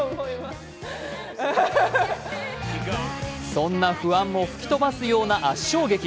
そんな不安も吹き飛ばすような圧勝劇。